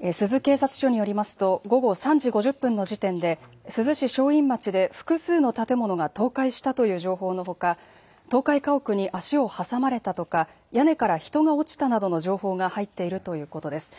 珠洲警察署によりますと午後３時５０分の時点で珠洲市正院町で複数の建物が倒壊したという情報のほか倒壊家屋に足を挟まれたとか屋根から人が落ちたなどの情報が入っているということです。